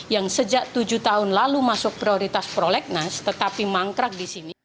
yang sejak tujuh tahun lalu masuk prioritas prolegnas tetapi mangkrak di sini